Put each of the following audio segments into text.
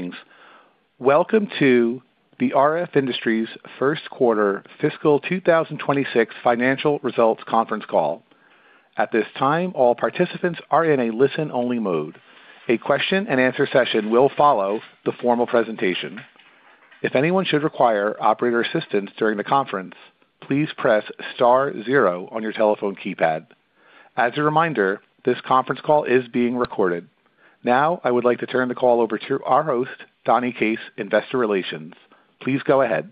Greetings. Welcome to the RF Industries First Quarter Fiscal 2026 Financial Results Conference Call. At this time, all participants are in a listen-only mode. A question-and-answer session will follow the formal presentation. If anyone should require operator assistance during the conference, please press star zero on your telephone keypad. As a reminder, this conference call is being recorded. Now I would like to turn the call over to our host, Donni Case, Investor Relations. Please go ahead.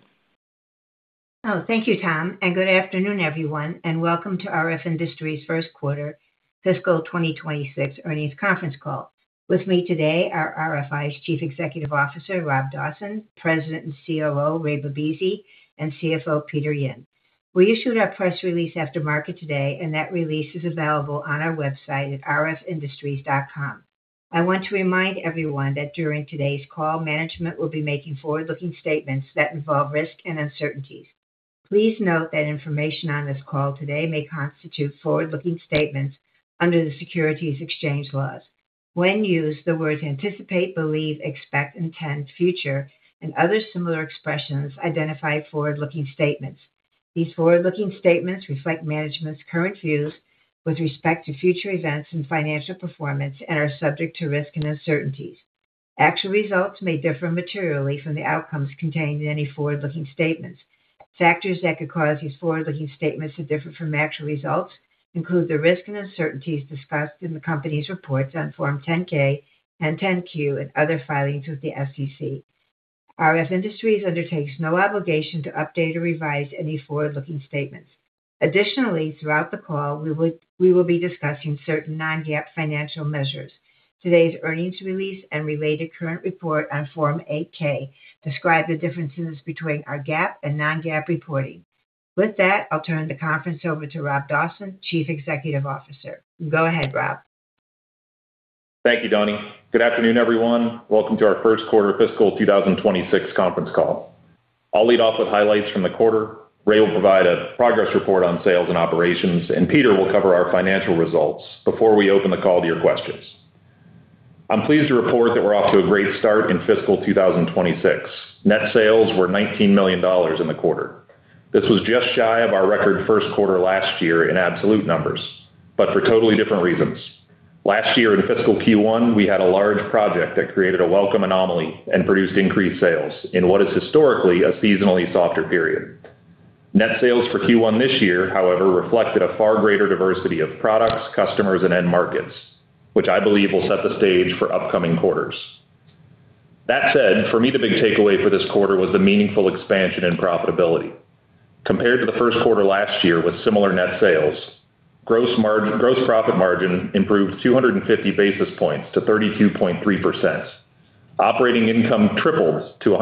Oh, thank you, Tom, and good afternoon, everyone, and welcome to RF Industries first quarter fiscal 2026 earnings conference call. With me today are RFI's Chief Executive Officer, Robert Dawson, President and COO, Ray Bibisi, and CFO, Peter Yin. We issued our press release after market today, and that release is available on our website at rfindustries.com. I want to remind everyone that during today's call, management will be making forward-looking statements that involve risks and uncertainties. Please note that information on this call today may constitute forward-looking statements under the securities exchange laws. When used, the words anticipate, believe, expect, intend, future, and other similar expressions identify forward-looking statements. These forward-looking statements reflect management's current views with respect to future events and financial performance and are subject to risk and uncertainties. Actual results may differ materially from the outcomes contained in any forward-looking statements. Factors that could cause these forward-looking statements to differ from actual results include the risks and uncertainties discussed in the company's reports on Form 10-K and 10-Q and other filings with the SEC. RF Industries undertakes no obligation to update or revise any forward-looking statements. Additionally, throughout the call, we will be discussing certain non-GAAP financial measures. Today's earnings release and related current report on Form 8-K describe the differences between our GAAP and non-GAAP reporting. With that, I'll turn the conference over to Robert Dawson, Chief Executive Officer. Go ahead, Rob. Thank you, Donni. Good afternoon, everyone. Welcome to our first quarter fiscal 2026 conference call. I'll lead off with highlights from the quarter. Ray will provide a progress report on sales and operations, and Peter will cover our financial results before we open the call to your questions. I'm pleased to report that we're off to a great start in fiscal 2026. Net sales were $19 million in the quarter. This was just shy of our record first quarter last year in absolute numbers, but for totally different reasons. Last year in fiscal Q1, we had a large project that created a welcome anomaly and produced increased sales in what is historically a seasonally softer period. Net sales for Q1 this year, however, reflected a far greater diversity of products, customers, and end markets, which I believe will set the stage for upcoming quarters. That said, for me, the big takeaway for this quarter was the meaningful expansion and profitability. Compared to the first quarter last year with similar net sales, gross margin, gross profit margin improved 250 basis points to 32.3%. Operating income tripled to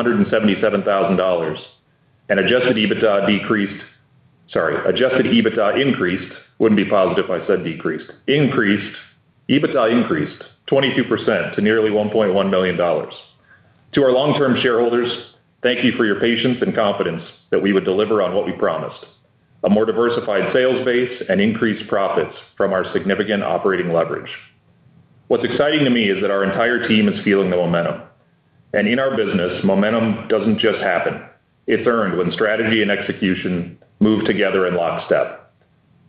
$177,000. Adjusted EBITDA increased 22% to nearly $1.1 million. To our long-term shareholders, thank you for your patience and confidence that we would deliver on what we promised, a more diversified sales base and increased profits from our significant operating leverage. What's exciting to me is that our entire team is feeling the momentum, and in our business, momentum doesn't just happen. It's earned when strategy and execution move together in lockstep.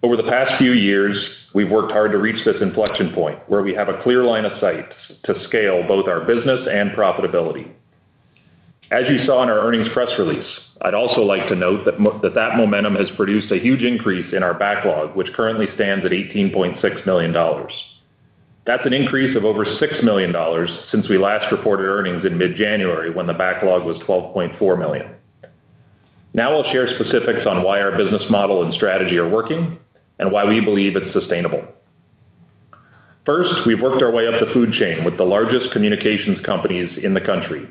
Over the past few years, we've worked hard to reach this inflection point where we have a clear line of sight to scale both our business and profitability. As you saw in our earnings press release, I'd also like to note that that momentum has produced a huge increase in our backlog, which currently stands at $18.6 million. That's an increase of over $6 million since we last reported earnings in mid-January when the backlog was $12.4 million. Now I'll share specifics on why our business model and strategy are working and why we believe it's sustainable. First, we've worked our way up the food chain with the largest communications companies in the country.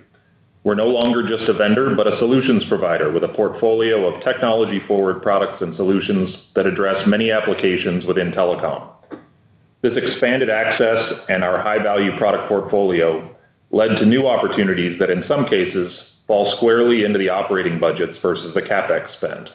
We're no longer just a vendor, but a solutions provider with a portfolio of technology-forward products and solutions that address many applications within telecom. This expanded access and our high-value product portfolio led to new opportunities that in some cases fall squarely into the operating budgets versus the CapEx spend.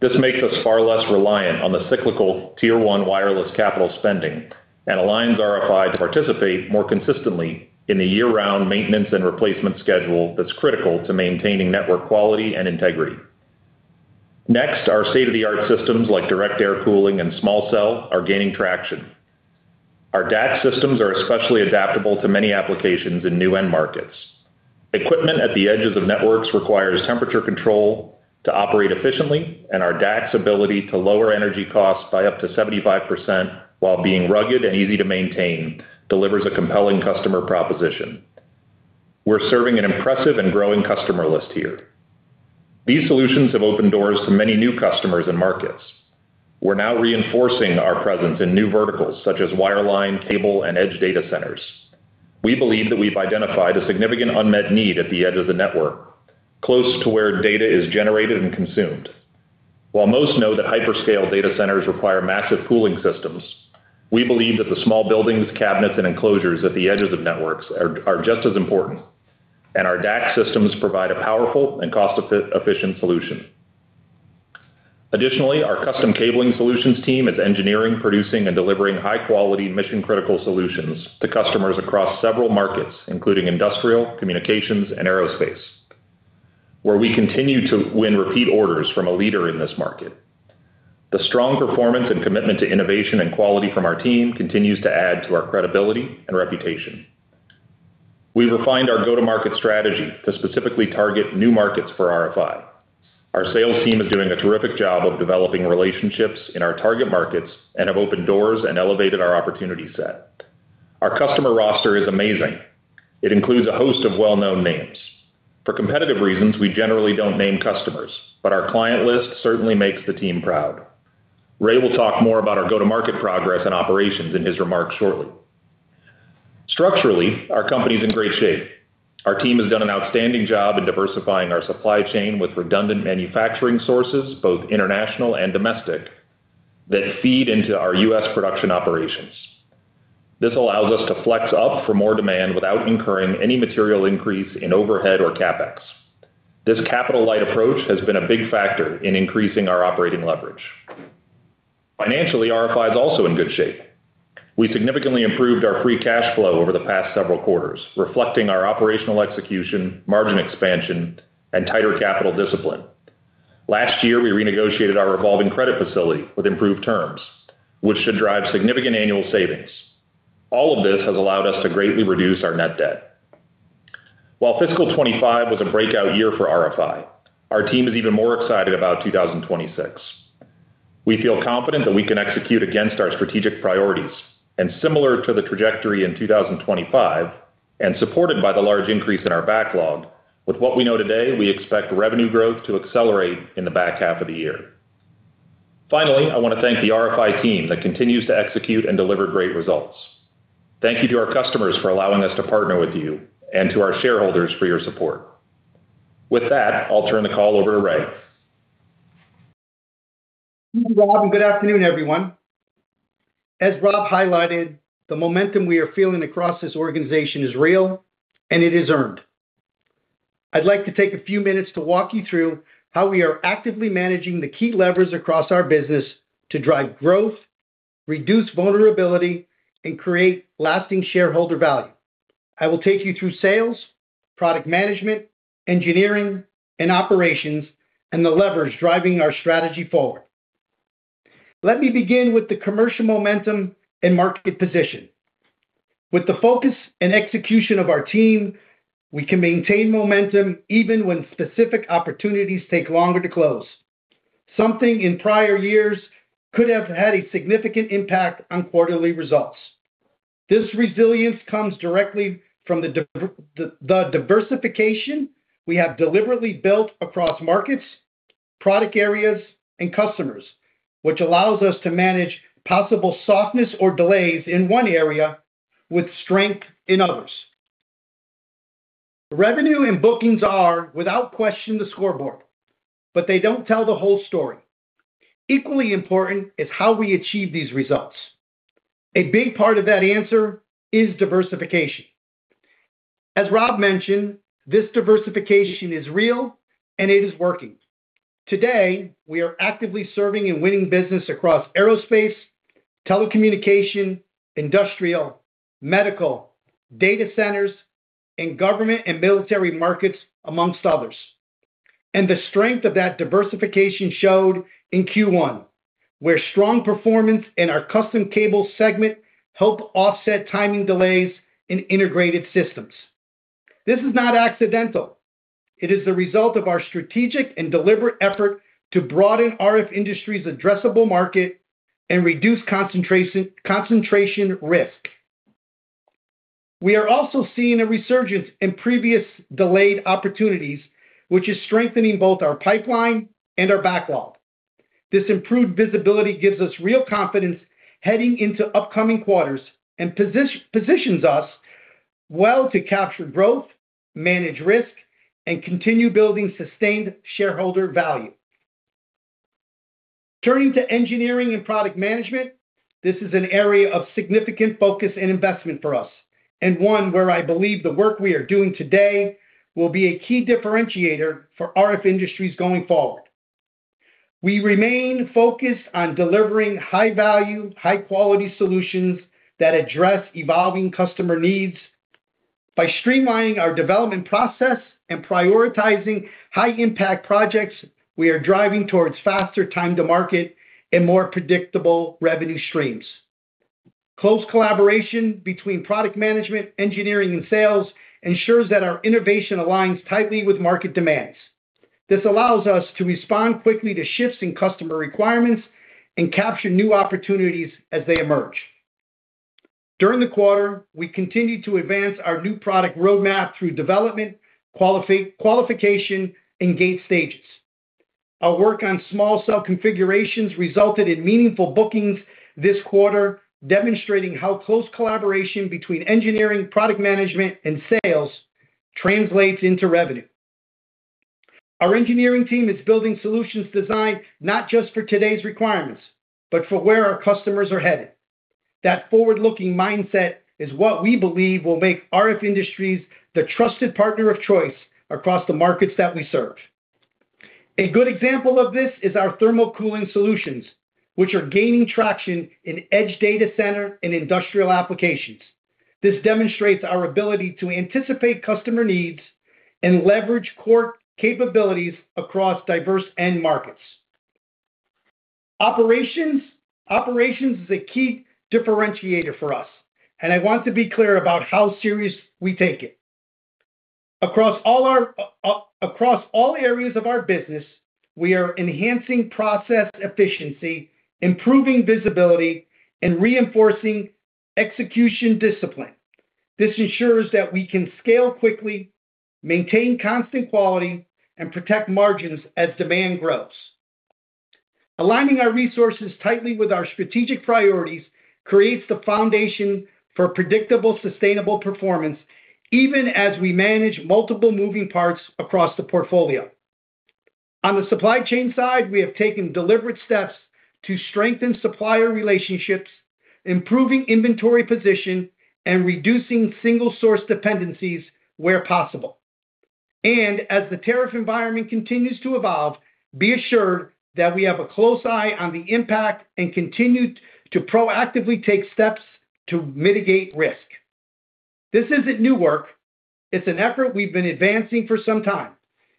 This makes us far less reliant on the cyclical tier-one wireless capital spending and aligns RFI to participate more consistently in the year-round maintenance and replacement schedule that's critical to maintaining network quality and integrity. Next, our state-of-the-art systems like Direct Air Cooling and small cell are gaining traction. Our DAC systems are especially adaptable to many applications in new end markets. Equipment at the edges of networks requires temperature control to operate efficiently, and our DAC's ability to lower energy costs by up to 75% while being rugged and easy to maintain delivers a compelling customer proposition. We're serving an impressive and growing customer list here. These solutions have opened doors to many new customers and markets. We're now reinforcing our presence in new verticals such as wireline, cable, and edge data centers. We believe that we've identified a significant unmet need at the edge of the network, close to where data is generated and consumed. While most know that hyperscale data centers require massive cooling systems, we believe that the small buildings, cabinets, and enclosures at the edges of networks are just as important, and our DAC systems provide a powerful and cost-efficient solution. Additionally, our Custom Cabling solutions team is engineering, producing, and delivering high-quality mission-critical solutions to customers across several markets, including industrial, communications, and aerospace, where we continue to win repeat orders from a leader in this market. The strong performance and commitment to innovation and quality from our team continues to add to our credibility and reputation. We refined our go-to-market strategy to specifically target new markets for RFI. Our sales team is doing a terrific job of developing relationships in our target markets and have opened doors and elevated our opportunity set. Our customer roster is amazing. It includes a host of well-known names. For competitive reasons, we generally don't name customers, but our client list certainly makes the team proud. Ray will talk more about our go-to-market progress and operations in his remarks shortly. Structurally, our company is in great shape. Our team has done an outstanding job in diversifying our supply chain with redundant manufacturing sources, both international and domestic, that feed into our U.S. production operations. This allows us to flex up for more demand without incurring any material increase in overhead or CapEx. This capital-light approach has been a big factor in increasing our operating leverage. Financially, RFI is also in good shape. We significantly improved our free cash flow over the past several quarters, reflecting our operational execution, margin expansion, and tighter capital discipline. Last year, we renegotiated our revolving credit facility with improved terms, which should drive significant annual savings. All of this has allowed us to greatly reduce our net debt. While fiscal 2025 was a breakout year for RFI, our team is even more excited about 2026. We feel confident that we can execute against our strategic priorities and similar to the trajectory in 2025, and supported by the large increase in our backlog, with what we know today, we expect revenue growth to accelerate in the back half of the year. Finally, I want to thank the RFI team that continues to execute and deliver great results. Thank you to our customers for allowing us to partner with you and to our shareholders for your support. With that, I'll turn the call over to Ray. Thank you, Rob, and good afternoon, everyone. As Rob highlighted, the momentum we are feeling across this organization is real, and it is earned. I'd like to take a few minutes to walk you through how we are actively managing the key levers across our business to drive growth, reduce vulnerability, and create lasting shareholder value. I will take you through sales, product management, engineering, and operations, and the levers driving our strategy forward. Let me begin with the commercial momentum and market position. With the focus and execution of our team, we can maintain momentum even when specific opportunities take longer to close. Something in prior years could have had a significant impact on quarterly results. This resilience comes directly from the diversification we have deliberately built across markets, product areas, and customers, which allows us to manage possible softness or delays in one area with strength in others. Revenue and bookings are, without question, the scoreboard, but they don't tell the whole story. Equally important is how we achieve these results. A big part of that answer is diversification. As Rob mentioned, this diversification is real, and it is working. Today, we are actively serving and winning business across aerospace, telecommunications, industrial, medical, data centers, and government and military markets, among others. The strength of that diversification showed in Q1, where strong performance in our custom cable segment helped offset timing delays in integrated systems. This is not accidental. It is the result of our strategic and deliberate effort to broaden RF Industries' addressable market and reduce concentration risk. We are also seeing a resurgence in previous delayed opportunities, which is strengthening both our pipeline and our backlog. This improved visibility gives us real confidence heading into upcoming quarters and positions us well to capture growth, manage risk, and continue building sustained shareholder value. Turning to engineering and product management, this is an area of significant focus and investment for us, and one where I believe the work we are doing today will be a key differentiator for RF Industries going forward. We remain focused on delivering high-value, high-quality solutions that address evolving customer needs. By streamlining our development process and prioritizing high-impact projects, we are driving towards faster time to market and more predictable revenue streams. Close collaboration between product management, engineering, and sales ensures that our innovation aligns tightly with market demands. This allows us to respond quickly to shifts in customer requirements and capture new opportunities as they emerge. During the quarter, we continued to advance our new product roadmap through development, qualification, and gate stages. Our work on small cell configurations resulted in meaningful bookings this quarter, demonstrating how close collaboration between engineering, product management, and sales translates into revenue. Our engineering team is building solutions designed not just for today's requirements, but for where our customers are headed. That forward-looking mindset is what we believe will make RF Industries the trusted partner of choice across the markets that we serve. A good example of this is our thermal cooling solutions, which are gaining traction in edge data center and industrial applications. This demonstrates our ability to anticipate customer needs and leverage core capabilities across diverse end markets. Operations is a key differentiator for us, and I want to be clear about how serious we take it. Across all areas of our business, we are enhancing process efficiency, improving visibility, and reinforcing execution discipline. This ensures that we can scale quickly, maintain constant quality, and protect margins as demand grows. Aligning our resources tightly with our strategic priorities creates the foundation for predictable, sustainable performance, even as we manage multiple moving parts across the portfolio. On the supply chain side, we have taken deliberate steps to strengthen supplier relationships, improving inventory position, and reducing single-source dependencies where possible. As the tariff environment continues to evolve, be assured that we have a close eye on the impact and continue to proactively take steps to mitigate risk. This isn't new work. It's an effort we've been advancing for some time.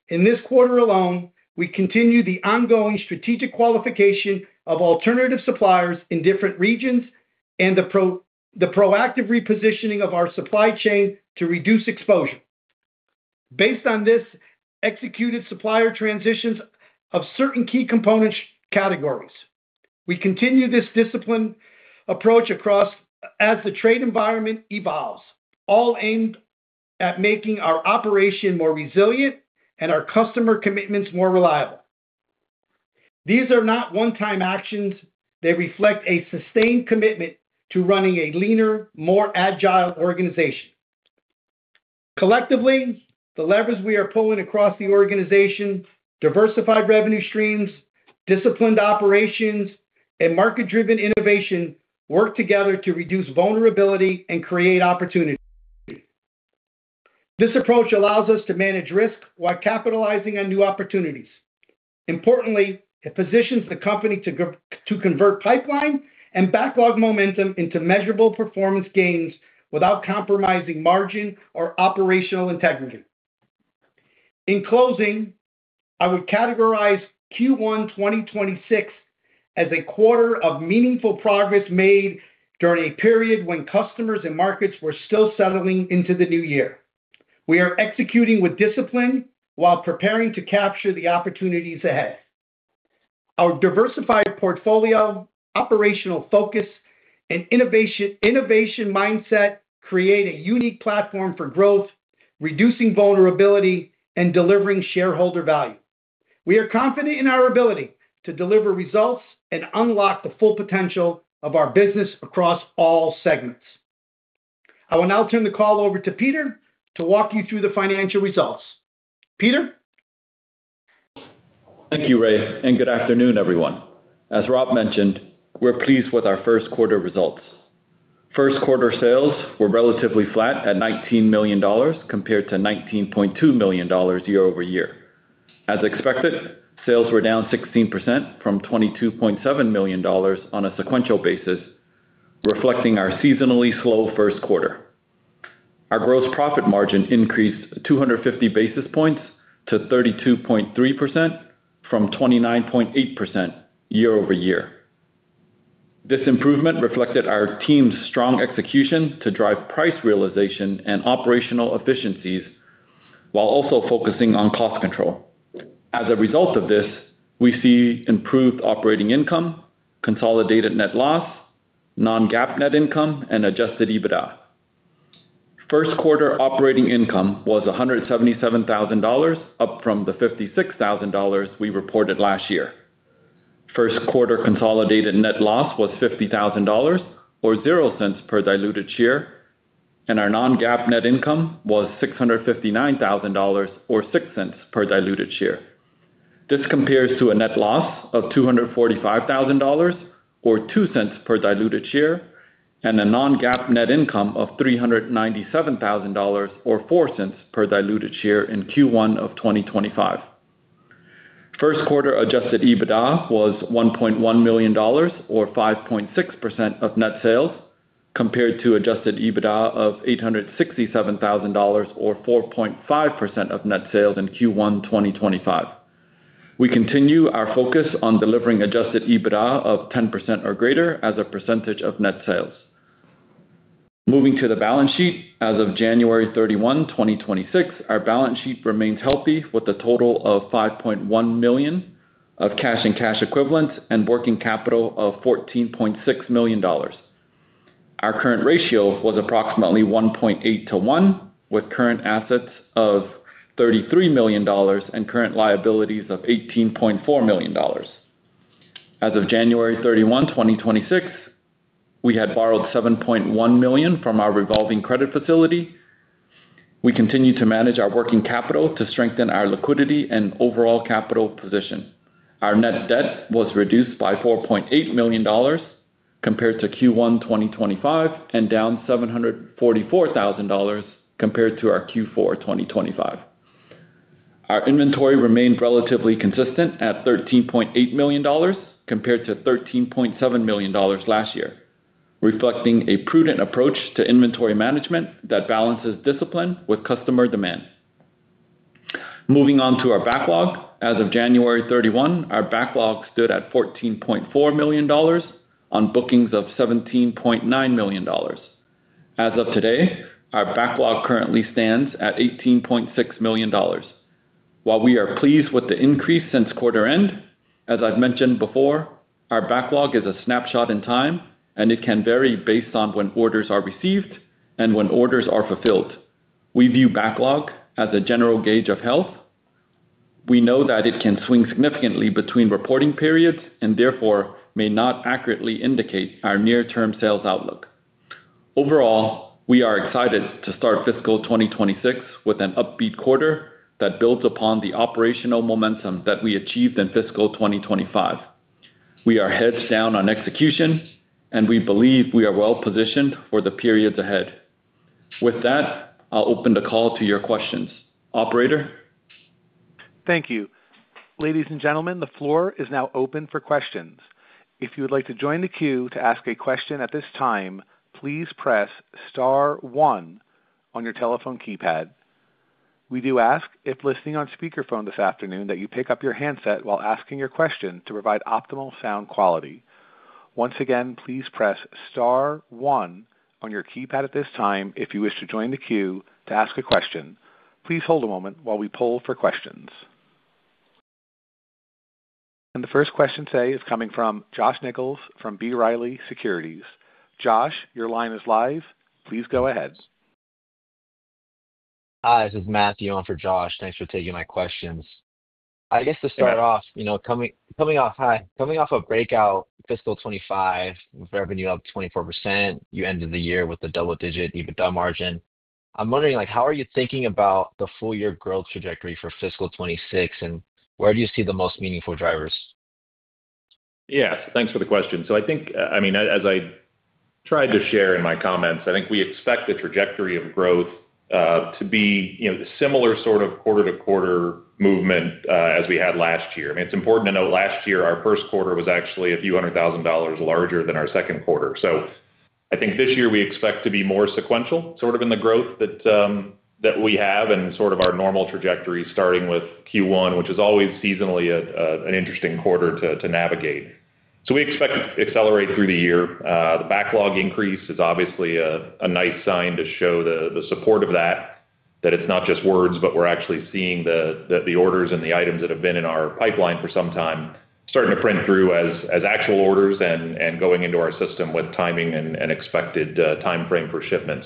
In this quarter alone, we continue the ongoing strategic qualification of alternative suppliers in different regions and the proactive repositioning of our supply chain to reduce exposure. Based on this executed supplier transitions of certain key component categories. We continue this disciplined approach across as the trade environment evolves, all aimed at making our operation more resilient and our customer commitments more reliable. These are not one-time actions. They reflect a sustained commitment to running a leaner, more agile organization. Collectively, the levers we are pulling across the organization, diversified revenue streams, disciplined operations, and market-driven innovation work together to reduce vulnerability and create opportunity. This approach allows us to manage risk while capitalizing on new opportunities. Importantly, it positions the company to convert pipeline and backlog momentum into measurable performance gains without compromising margin or operational integrity. In closing, I would categorize Q1 2026 as a quarter of meaningful progress made during a period when customers and markets were still settling into the new year. We are executing with discipline while preparing to capture the opportunities ahead. Our diversified portfolio, operational focus, and innovation mindset create a unique platform for growth, reducing vulnerability, and delivering shareholder value. We are confident in our ability to deliver results and unlock the full potential of our business across all segments. I will now turn the call over to Peter to walk you through the financial results. Peter? Thank you, Ray, and good afternoon, everyone. As Rob mentioned, we're pleased with our first quarter results. First quarter sales were relatively flat at $19 million compared to $19.2 million year-over-year. As expected, sales were down 16% from $22.7 million on a sequential basis, reflecting our seasonally slow first quarter. Our gross profit margin increased 250 basis points to 32.3% from 29.8% year-over-year. This improvement reflected our team's strong execution to drive price realization and operational efficiencies while also focusing on cost control. As a result of this, we see improved operating income, consolidated net loss, non-GAAP net income, and adjusted EBITDA. First quarter operating income was $177,000, up from the $56,000 we reported last year. First quarter consolidated net loss was $50,000 or $0.00 per diluted share, and our non-GAAP net income was $659,000 or $0.06 per diluted share. This compares to a net loss of $245,000 or $0.02 per diluted share, and a non-GAAP net income of $397,000 or $0.04 per diluted share in Q1 of 2025. First quarter adjusted EBITDA was $1.1 million or 5.6% of net sales, compared to adjusted EBITDA of $867,000 or 4.5% of net sales in Q1 2025. We continue our focus on delivering adjusted EBITDA of 10% or greater as a percentage of net sales. Moving to the balance sheet, as of January 31, 2026, our balance sheet remains healthy with a total of $5.1 million of cash and cash equivalents and working capital of $14.6 million. Our current ratio was approximately 1.8 to 1, with current assets of $33 million and current liabilities of $18.4 million. As of January 31, 2026, we had borrowed $7.1 million from our revolving credit facility. We continue to manage our working capital to strengthen our liquidity and overall capital position. Our net debt was reduced by $4.8 million compared to Q1 2025 and down $744,000 compared to our Q4 2025. Our inventory remained relatively consistent at $13.8 million compared to $13.7 million last year, reflecting a prudent approach to inventory management that balances discipline with customer demand. Moving on to our backlog. As of January 31, our backlog stood at $14.4 million on bookings of $17.9 million. As of today, our backlog currently stands at $18.6 million. While we are pleased with the increase since quarter end, as I've mentioned before, our backlog is a snapshot in time, and it can vary based on when orders are received and when orders are fulfilled. We view backlog as a general gauge of health. We know that it can swing significantly between reporting periods and therefore may not accurately indicate our near-term sales outlook. Overall, we are excited to start fiscal 2026 with an upbeat quarter that builds upon the operational momentum that we achieved in fiscal 2025. We are heads down on execution, and we believe we are well positioned for the periods ahead. With that, I'll open the call to your questions. Operator? Thank you. Ladies and gentlemen, the floor is now open for questions. If you would like to join the queue to ask a question at this time, please press star one on your telephone keypad. We do ask, if listening on speakerphone this afternoon, that you pick up your handset while asking your question to provide optimal sound quality. Once again, please press star one on your keypad at this time if you wish to join the queue to ask a question. Please hold a moment while we poll for questions. The first question today is coming from Josh Nichols from B. Riley Securities. Josh, your line is live. Please go ahead. Hi, this is Matthew on for Josh. Thanks for taking my questions. I guess to start off, you know, coming off a breakout fiscal 2025 with revenue up 24%, you ended the year with a double-digit EBITDA margin. I'm wondering, like, how are you thinking about the full year growth trajectory for fiscal 2026, and where do you see the most meaningful drivers? Yeah. Thanks for the question. I think, I mean, as I tried to share in my comments, I think we expect the trajectory of growth to be, you know, similar sort of quarter-to-quarter movement as we had last year. I mean, it's important to note last year, our first quarter was actually a few hundred thousand dollars larger than our second quarter. I think this year we expect to be more sequential, sort of in the growth that we have and sort of our normal trajectory starting with Q1, which is always seasonally an interesting quarter to navigate. We expect to accelerate through the year. The backlog increase is obviously a nice sign to show the support of that that it's not just words, but we're actually seeing the orders and the items that have been in our pipeline for some time starting to print through as actual orders and going into our system with timing and expected timeframe for shipment.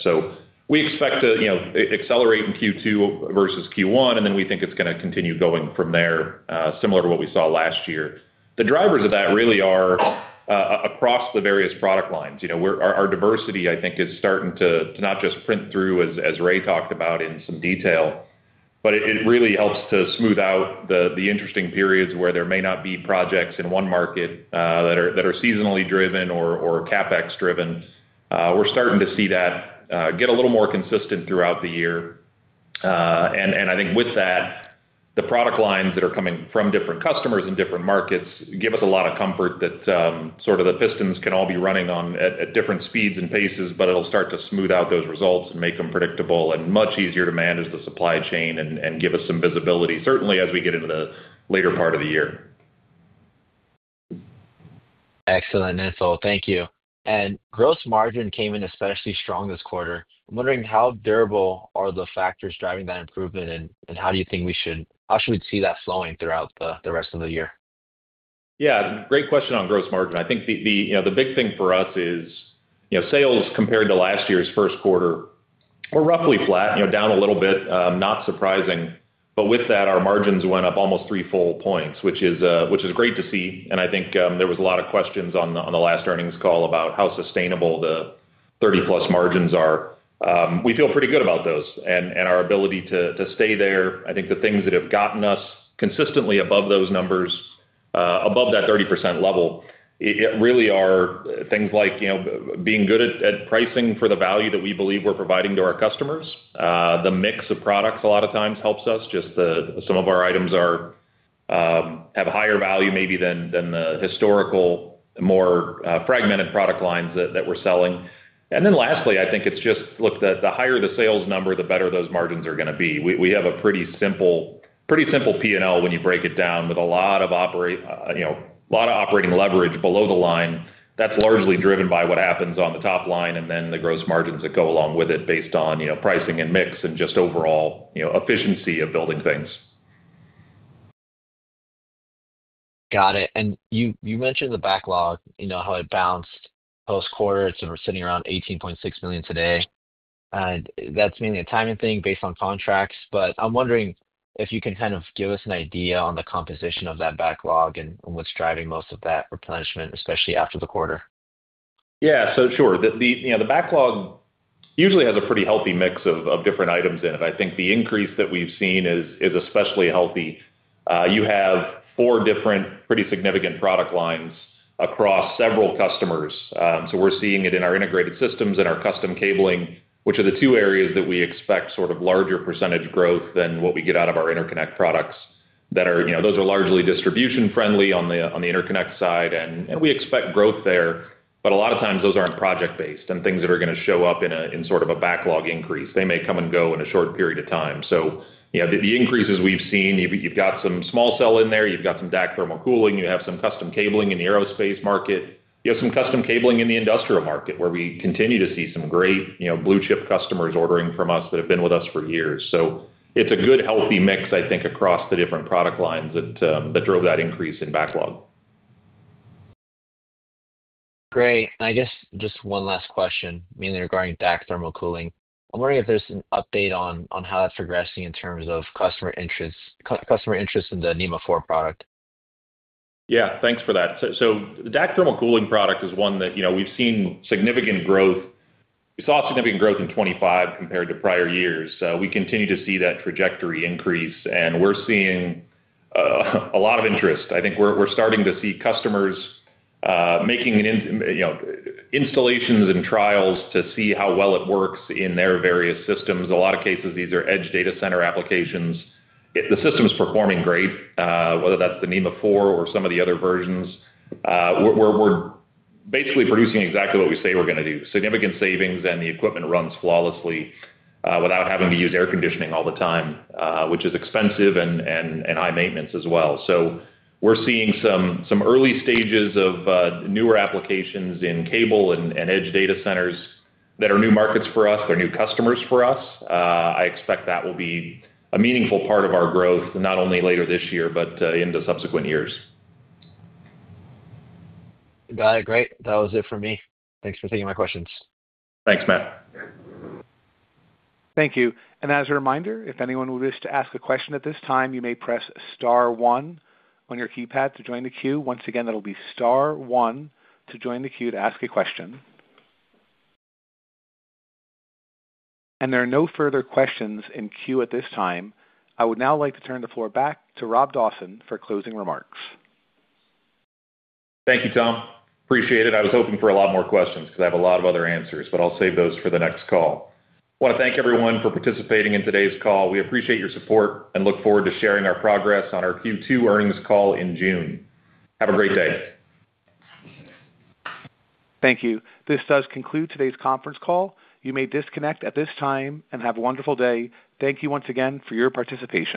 We expect to, you know, accelerate in Q2 versus Q1, and then we think it's gonna continue going from there, similar to what we saw last year. The drivers of that really are across the various product lines. You know, our diversity I think is starting to not just print through, as Ray talked about in some detail, but it really helps to smooth out the interesting periods where there may not be projects in one market that are seasonally driven or CapEx driven. We're starting to see that get a little more consistent throughout the year. I think with that, the product lines that are coming from different customers in different markets give us a lot of comfort that sort of the pistons can all be running at different speeds and paces, but it'll start to smooth out those results and make them predictable and much easier to manage the supply chain and give us some visibility, certainly as we get into the later part of the year. Excellent info. Thank you. Gross margin came in especially strong this quarter. I'm wondering how durable are the factors driving that improvement and how should we see that flowing throughout the rest of the year? Yeah, great question on gross margin. I think the you know, the big thing for us is, you know, sales compared to last year's first quarter were roughly flat, you know, down a little bit, not surprising. With that, our margins went up almost three full points, which is great to see. I think there was a lot of questions on the last earnings call about how sustainable the 30%+ margins are. We feel pretty good about those and our ability to stay there. I think the things that have gotten us consistently above those numbers, above that 30% level, it really are things like, you know, being good at pricing for the value that we believe we're providing to our customers. The mix of products a lot of times helps us, just some of our items have higher value maybe than the historical, more fragmented product lines that we're selling. Then lastly, I think it's just, look, the higher the sales number, the better those margins are gonna be. We have a pretty simple P&L when you break it down with a lot of operating leverage below the line that's largely driven by what happens on the top line and then the gross margins that go along with it based on, you know, pricing and mix and just overall, you know, efficiency of building things. Got it. You mentioned the backlog, you know, how it bounced post-quarter, and we're sitting around $18.6 million today. That's mainly a timing thing based on contracts, but I'm wondering if you can kind of give us an idea on the composition of that backlog and what's driving most of that replenishment, especially after the quarter. Yeah. Sure. The you know, the backlog usually has a pretty healthy mix of different items in it. I think the increase that we've seen is especially healthy. You have four different pretty significant product lines across several customers. We're seeing it in our integrated systems and our Custom Cabling, which are the two areas that we expect sort of larger percentage growth than what we get out of our interconnect products that are, you know, those are largely distribution friendly on the interconnect side, and we expect growth there. A lot of times those aren't project-based and things that are gonna show up in sort of a backlog increase. They may come and go in a short period of time. You know, the increases we've seen, you've got some small cell in there, you've got some DAC Thermal Cooling, you have some Custom Cabling in the aerospace market. You have some Custom Cabling in the industrial market, where we continue to see some great, you know, blue chip customers ordering from us that have been with us for years. It's a good, healthy mix, I think, across the different product lines that drove that increase in backlog. Great. I guess just one last question, mainly regarding DAC Thermal Cooling. I'm wondering if there's an update on how that's progressing in terms of customer interest in the NEMA 4 product. Yeah. Thanks for that. The DAC Thermal Cooling product is one that, you know, we've seen significant growth. We saw significant growth in 2025 compared to prior years. We continue to see that trajectory increase, and we're seeing a lot of interest. I think we're starting to see customers making, you know, installations and trials to see how well it works in their various systems. A lot of cases, these are edge data center applications. The system's performing great, whether that's the NEMA 4 or some of the other versions. We're basically producing exactly what we say we're gonna do, significant savings, and the equipment runs flawlessly without having to use air conditioning all the time, which is expensive and high maintenance as well. We're seeing some early stages of newer applications in cable and edge data centers that are new markets for us. They're new customers for us. I expect that will be a meaningful part of our growth, not only later this year, but into subsequent years. Got it. Great. That was it for me. Thanks for taking my questions. Thanks, Matt. Thank you. As a reminder, if anyone wishes to ask a question at this time, you may press star one on your keypad to join the queue. Once again, that'll be star one to join the queue to ask a question. There are no further questions in queue at this time. I would now like to turn the floor back to Robert Dawson for closing remarks. Thank you, Tom. Appreciate it. I was hoping for a lot more questions 'cause I have a lot of other answers, but I'll save those for the next call. Wanna thank everyone for participating in today's call. We appreciate your support and look forward to sharing our progress on our Q2 earnings call in June. Have a great day. Thank you. This does conclude today's conference call. You may disconnect at this time and have a wonderful day. Thank you once again for your participation.